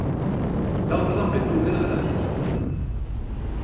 L'ensemble est ouvert à la visite.